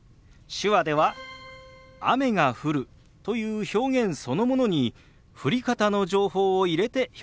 手話では「雨が降る」という表現そのものに降り方の情報を入れて表現するんです。